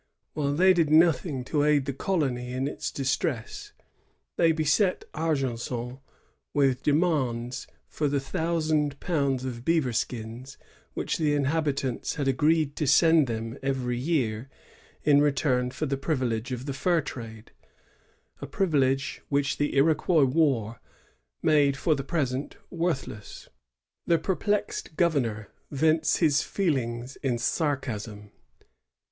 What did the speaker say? While they did liothing to aid the colony in its distress, they beset Argenson with demands for the thousand pounds of beaver skins, which the inhabitants had agreed to send them every year in return for the privilege of the fur trade, — a privilege which the Iroquois war made for the present worthless. The perplexed governor vents his feelings in sarcasm.